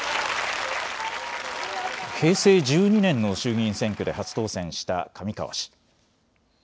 平成１２年の衆議院選挙で初当選した上川氏。